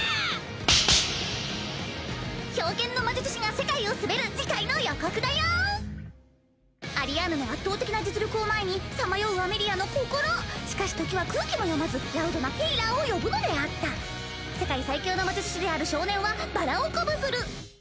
「冰剣の魔術師が世界を統べる」次回の予告だよアリアーヌの圧倒的な実力を前にさまようアメリアの心しかし時は空気も読まずラウドなヘイラーを呼ぶのであった「世界最強の魔術師である少年は、薔薇を鼓舞する」